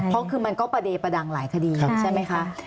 เพราะคือมันก็ประเดประดังหลายคดีใช่ไหมคะ